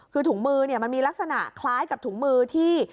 คือถุงมือมันมีลักษณะคล้ายกับถุงมือที่